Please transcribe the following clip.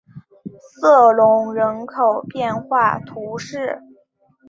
瑟隆人口变化图示